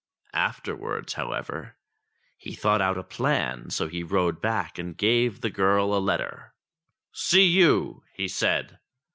Afterwards, however, he thought out a plan, so he rode back and gave the girl a letter. "See you!" he said.